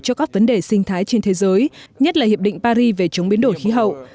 cho các vấn đề sinh thái trên thế giới nhất là hiệp định paris về chống biến đổi khí hậu